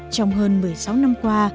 trong hơn một mươi sáu năm qua